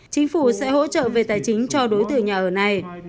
chính phủ sẽ hỗ trợ về tài chính cho đối tượng nhà ở này